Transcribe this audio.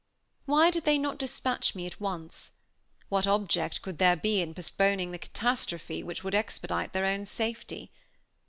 Why did they not dispatch me at once? What object could there be in postponing the catastrophe which would expedite their own safety.